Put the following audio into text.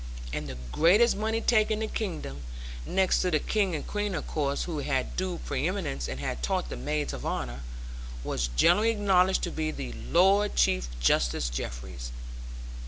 And the greatest money taker in the kingdom (next to the King and Queen, of course, who had due pre eminence, and had taught the maids of honour) was generally acknowledged to be the Lord Chief Justice Jeffreys.